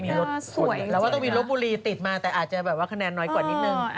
นี่ลดพอดีเลยค่ะแล้วว่าต้องมีลูกบุรีติดมาแต่อาจจะแบบว่าขนาดน้อยกว่านิดนึง